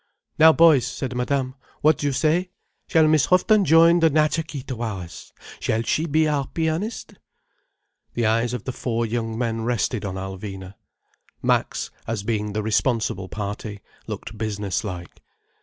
"Now, boys," said Madame, "what do you say? Shall Miss Houghton join the Natcha Kee Tawaras? Shall she be our pianist?" The eyes of the four young men rested on Alvina. Max, as being the responsible party, looked business like.